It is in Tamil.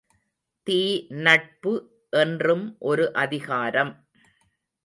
தீ நட்பு என்றும் ஒரு அதிகாரம்!